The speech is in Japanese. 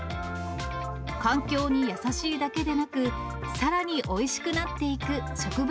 環境に優しいだけでなく、さらにおいしくなっていく植物